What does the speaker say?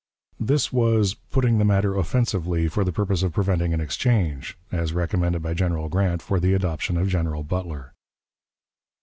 This was "putting the matter offensively, for the purpose of preventing an exchange," as recommended by General Grant for the adoption of General Butler.